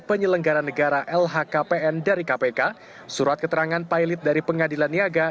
penyelenggara negara lhkpn dari kpk surat keterangan pilot dari pengadilan niaga